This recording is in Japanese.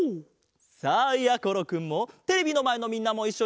さあやころくんもテレビのまえのみんなもいっしょに！